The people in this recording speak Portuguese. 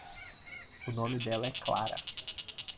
O nome dela é Clara.